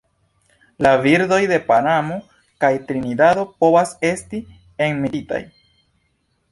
La birdoj de Panamo kaj Trinidado povas esti enmetitaj.